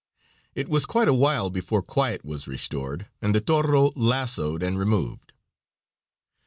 It was quite a while before quiet was restored, and the toro lassoed and removed.